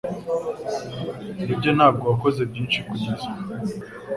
Nibyo ntabwo wakoze byinshi kugeza ubu